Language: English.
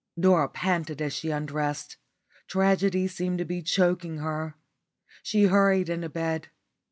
Dora panted as she undressed. Tragedy seemed to be choking her. She hurried into bed.